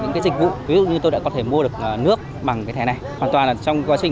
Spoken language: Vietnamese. những cái dịch vụ ví dụ như tôi đã có thể mua được nước bằng cái thẻ này hoàn toàn là trong quá trình